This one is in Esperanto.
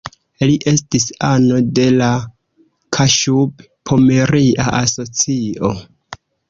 Li estis ano de la Kaŝub-Pomeria Asocio.